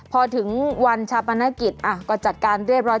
พอถึงวันชาปนกิจก็จัดการเรียบร้อย